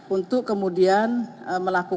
untuk kemudian melakukan